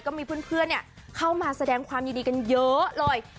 ก็มีเพื่อนเข้ามาแสดงความยินดีกันเยอะเลย